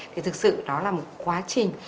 thì thực sự đó là một quá trình